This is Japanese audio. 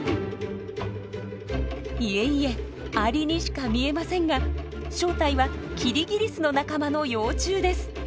いえいえアリにしか見えませんが正体はキリギリスの仲間の幼虫です。